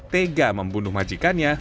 tega membunuh majikannya